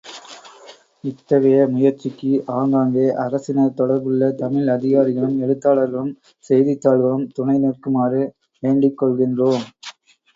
இத்தகைய முயற்சிக்கு ஆங்காங்கே அரசினர் தொடர்புள்ள தமிழ் அதிகாரிகளும் எழுத்தாளர்களும் செய்தித்தாள்களும் துணைநிற்குமாறு வேண்டிக் கொள்கின்றோம்.